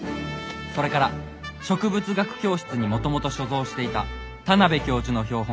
「それから植物学教室にもともと所蔵していた田邊教授の標本